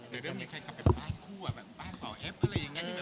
แต่เริ่มมีแฟนคลับแบบบ้านคู่อะแบบบ้านต่อแอปอะไรอย่างงี้